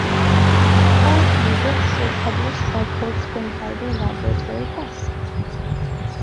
All three books were published by Cold Spring Harbor Laboratory Press.